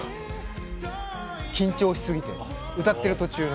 緊張しすぎて歌ってる途中の。